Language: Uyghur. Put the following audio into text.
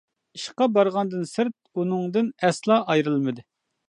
ئىشقا بارغاندىن سىرت، ئۇنىڭدىن ئەسلا ئايرىلمىدى.